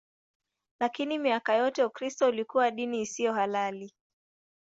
Lakini miaka yote Ukristo ulikuwa dini isiyo halali.